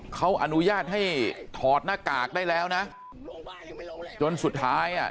เขาอนุญาตให้ถอดหน้ากากได้แล้วนะจนสุดท้ายอ่ะ